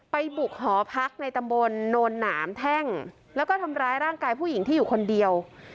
ไปบุกหอพักในตำบลโนนหนามแท่งแล้วก็ทำร้ายร่างกายผู้หญิงที่อยู่คนเดียว